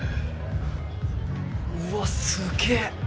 うわっすげえ！